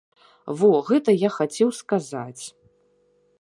Во, гэта я хацеў сказаць.